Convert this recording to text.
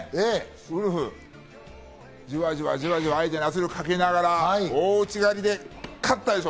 ウルフ、じわじわ、じわじわ、相手に圧力をかけながら大内刈りで勝ったでしょ。